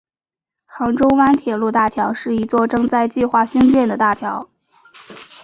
杭州湾铁路大桥是一座正在计划兴建的大桥。